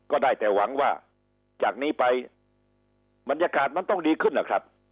ก็ได้แต่หวังว่าจากนี้ไปบรรยากาศมันต้องดีขึ้นนะครับ